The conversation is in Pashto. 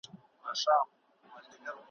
په دې شعر به څوک پوه سي `